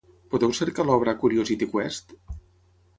Podeu cercar l'obra Curiosity Quest?